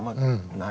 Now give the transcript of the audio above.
ない。